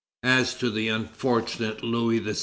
As to the unfortunate Louis XVI.